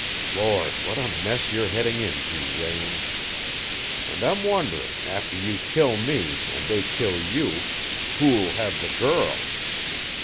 Lord, what a mess you're heading into, Raine! And I'm wondering, after you kill me, and they kill you, WHO'LL HAVE THE GIRL?